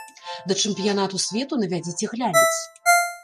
Да чэмпіянату свету навядзіце глянец.